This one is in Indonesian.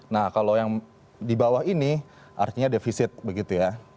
nah kalau yang di bawah ini artinya defisit